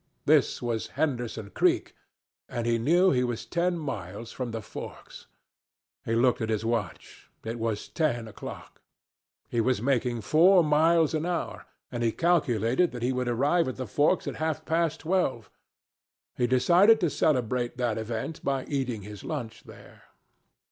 This was Henderson Creek, and he knew he was ten miles from the forks. He looked at his watch. It was ten o'clock. He was making four miles an hour, and he calculated that he would arrive at the forks at half past twelve. He decided to celebrate that event by eating his lunch there.